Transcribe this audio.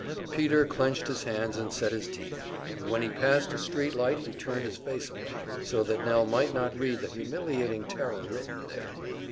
Peter clenched his hands and set his teeth, and when he passed a street light he turned his face away, so that Nell might not read the humiliating terror written there.